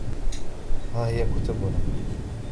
ها هي كتبنا.